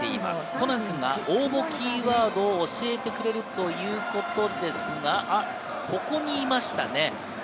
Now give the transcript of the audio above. コナン君が応募キーワードを教えてくれるということですが、ここにいましたね。